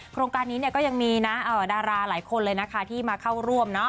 โครงการนี้ก็ยังมีนะดาราหลายคนเลยนะคะที่มาเข้าร่วม